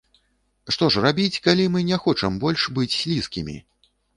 Што ж рабіць, калі мы не хочам быць больш слізкімі?